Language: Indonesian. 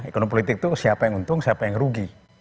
ekonomi politik itu siapa yang untung siapa yang rugi